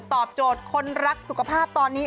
ตอบโจทย์คนรักสุขภาพตอนนี้